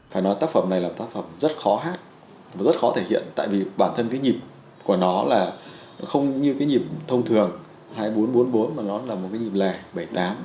phải nói tác phẩm này là tác phẩm rất khó hát và rất khó thể hiện tại vì bản thân cái nhịp của nó là không như cái nhịp thông thường hai nghìn bốn trăm bốn mươi bốn mà nó là một cái nhịp lề bảy tám